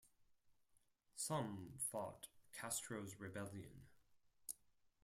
Some fought Castro's rebellion.